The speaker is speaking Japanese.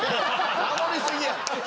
守りすぎや！